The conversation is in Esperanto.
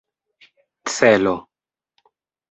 celo